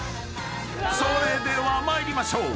［それでは参りましょう］